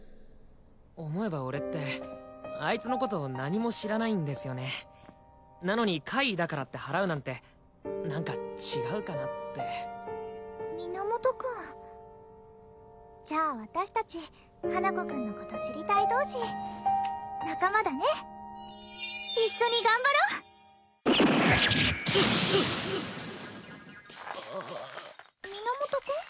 思えば俺ってあいつのこと何も知らないんですよねなのに怪異だからって祓うなんて何か違うかなって源くんじゃあ私達花子くんのこと知りたい同士仲間だね一緒に頑張ろあああ源くん？